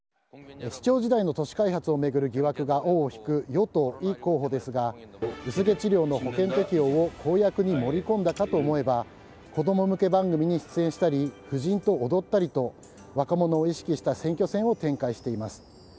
市長時代の都市開発を巡る疑惑が尾を引く与党、イ候補ですが、薄毛治療の保険適用を公約に盛り込んだかと思えば、子ども向け番組に出演したり、夫人と踊ったりと、若者を意識した選挙戦を展開しています。